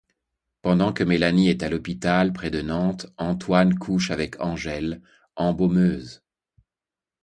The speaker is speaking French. Pendant que Mélanie est à l'hôpital près de Nantes, Antoine couche avec Angèle, embaumeuse.